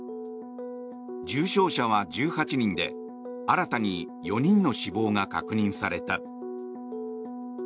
重症者は１８人で新たに４人の死亡が確認された。